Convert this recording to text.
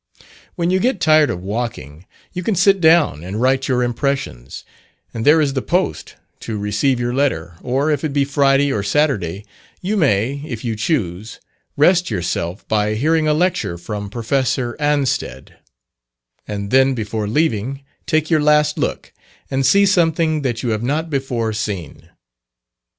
When you get tired of walking, you can sit down and write your impressions, and there is the "post" to receive your letter, or if it be Friday or Saturday, you may, if you choose, rest yourself by hearing a lecture from Professor Anstead; and then before leaving take your last look, and see something that you have not before seen.